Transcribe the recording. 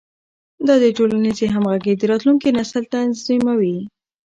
دا د ټولنیزې همغږۍ د راتلونکي نسل تضمینوي.